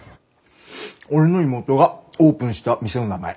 俺の妹がオープンした店の名前。